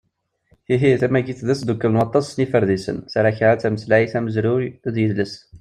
Ihi, tamagit d asddukel n waṭas n yiferdisen: tarakalt, tameslayt, amezruy d yedles.